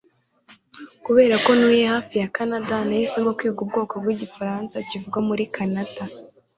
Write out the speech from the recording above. Kubera ko ntuye hafi ya Kanada nahisemo kwiga ubwoko bwigifaransa kivugwa muri Kanada